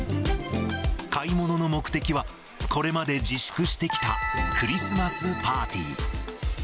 買い物の目的は、これまで自粛してきたクリスマスパーティー。